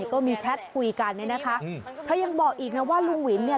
ก็มีแชทคุยกันเนี่ยนะคะเธอยังบอกอีกนะว่าลุงวินเนี่ย